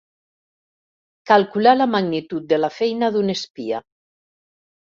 Calcular la magnitud de la feina d'un espia.